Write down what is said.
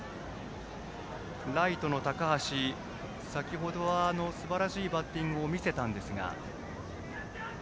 ライトの高橋先程はすばらしいバッティングを見せたんですが。